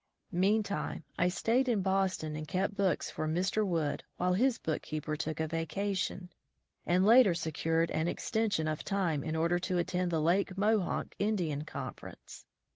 Meantime I stayed in Boston and kept 74 College Life in the East books for Mr. Wood while his bookkeeper took a vacation, and later secured an exten sion of time in order to attend the Lake Mohonk Indian conference.